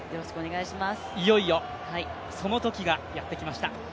いよいよ、そのときがやってきました。